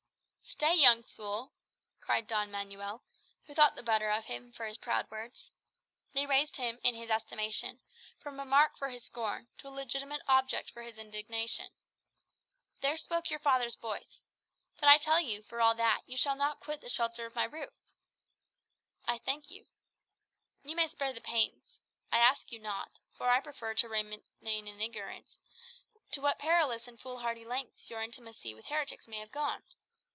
"Stay, young fool!" cried Don Manuel, who thought the better of him for his proud words. They raised him, in his estimation, from a mark for his scorn to a legitimate object for his indignation. "There spoke your father's voice. But I tell you, for all that, you shall not quit the shelter of my roof." "I thank you." "You may spare the pains. I ask you not, for I prefer to remain in ignorance, to what perilous and fool hardy lengths your intimacy with heretics may have gone.